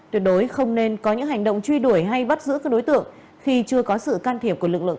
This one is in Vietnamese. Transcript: tuyệt đối không nên có những hành động truy đuổi hay bắt giữ các đối tượng khi chưa có sự can thiệp của lực lượng